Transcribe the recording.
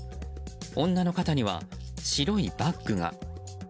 女の肩には白いバッグが。